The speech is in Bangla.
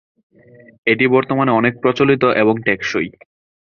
এটি বর্তমানে অনেক প্রচলিত এবং টেকসই।